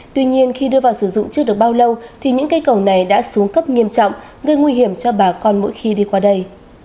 tuy nhiên khi đưa vào sử dụng chưa được bao lâu thì những cây cầu này đã xuống cấp nghiêm trọng gây nguy hiểm cho bà con mỗi khi đi qua đây